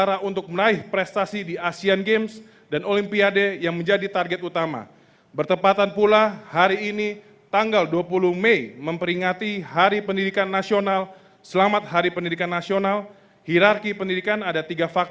raya kebangsaan indonesia raya